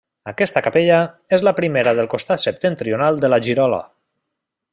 Aquesta capella és la primera del costat septentrional de la girola.